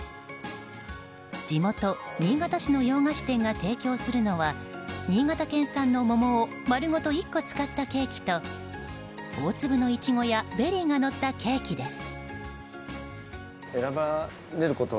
地元・新潟市の洋菓子店が提供するのは新潟県産の桃を丸ごと１個使ったケーキと大粒のイチゴやベリーが乗ったケーキです。